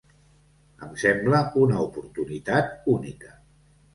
Em sembla una oportunitat única.